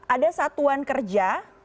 ada satuan kerja